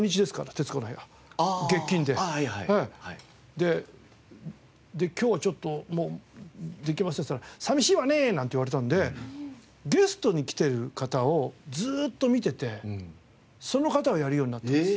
で今日はちょっともうできませんって言ったら寂しいわね！なんて言われたのでゲストに来てる方をずっと見ててその方をやるようになったんです。